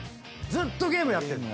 ずっとゲームやってんの？